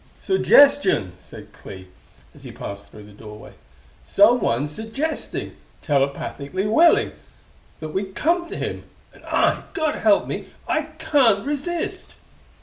"Suggestion!" said Clee, as he passed through the doorway. "Someone's suggesting telepathically willing that we come to him! And I God help me I can't resist!"